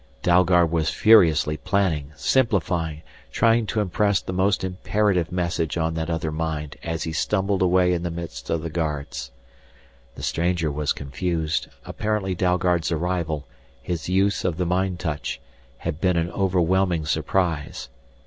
Dalgard was furiously planning, simplifying, trying to impress the most imperative message on that other mind as he stumbled away in the midst of the guards. The stranger was confused, apparently Dalgard's arrival, his use of the mind touch, had been an overwhelming surprise.